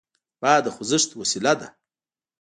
باد د خوځښت وسیله ده.